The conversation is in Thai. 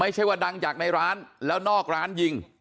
ไม่ใช่ว่าดังจากในร้านแล้วนอกร้านยิง